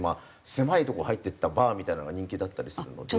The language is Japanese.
狭いとこ入っていったバーみたいなのが人気だったりするので。